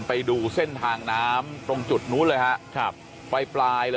ไปดูเส้นทางน้ำตรงจุดนู้นเลยฮะครับไปปลายเลย